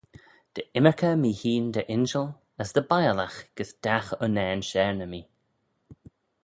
Dy ymmyrkey mee hene dy injil as dy biallagh gys dagh unnane share na mee.